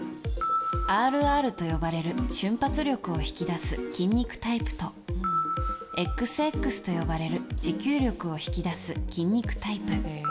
ＲＲと呼ばれる瞬発力を引き出す筋肉タイプとＸＸと呼ばれる持久力を引き出す筋肉タイプ。